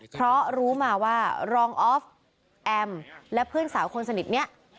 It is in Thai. เพราะรู้มาว่ารองออฟแอมและเพื่อนสาวคนสนิทเนี่ย